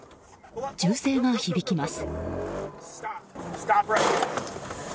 銃声が響きます。